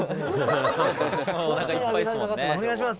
「お願いします！」